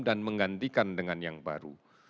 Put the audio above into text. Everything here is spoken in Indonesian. dan menggantikan dengan yang baru